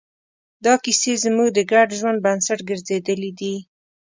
دا کیسې زموږ د ګډ ژوند بنسټ ګرځېدلې دي.